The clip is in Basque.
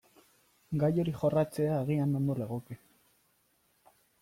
Gai hori jorratzea agian ondo legoke.